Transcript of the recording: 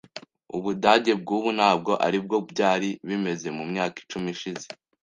Ubudage bwubu ntabwo aribwo byari bimeze mumyaka icumi ishize .